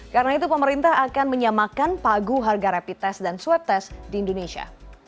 karena itu pemerintah akan menyamakan pagu harga rapid test dan swab test di indonesia